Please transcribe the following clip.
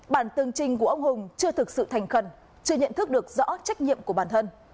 bản tường trình của ông hùng chưa thực sự thành khẩn chưa nhận thức được rõ trách nhiệm của bản thân